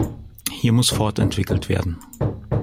Hier muss fortentwickelt werden.